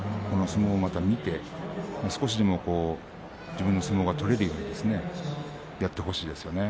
相撲もまた見て少しでも自分の相撲が取れるようにやってほしいですよね。